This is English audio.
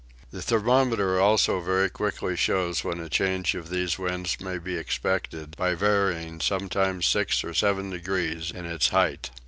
The thermometer also very quickly shows when a change of these winds may be expected by varying sometimes six and seven degrees in its height.